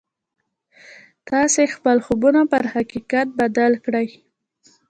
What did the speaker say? تاسې خپل خوبونه پر حقيقت بدل کړئ.